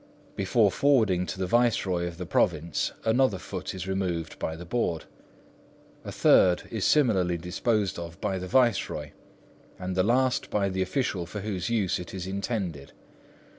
Before forwarding to the Viceroy of the province, another foot is removed by the Board. A third is similarly disposed of by the Viceroy, and the last by the official for whose use it is intended.